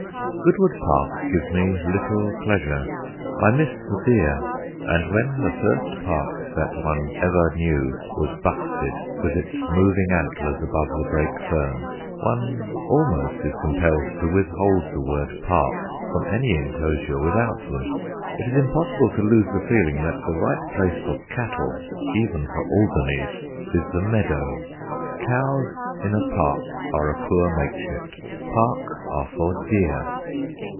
Goodwood Park gives me little pleasure. I miss the deer; and when the first park that one ever knew was Buxted, with its moving antlers above the brake fern, one almost is compelled to withhold the word park from any enclosure without them. It is impossible to lose the feeling that the right place for cattle even for Alderneys is the meadow. Cows in a park are a poor makeshift; parks are for deer.